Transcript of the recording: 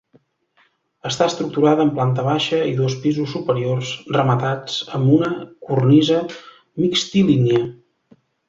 Està estructurada en planta baixa i dos pisos superiors rematats amb una cornisa mixtilínia.